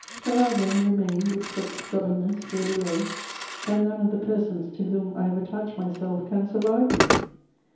Shall I, then, remain with such stubbornness here below that none of the persons to whom I have attached myself can survive me?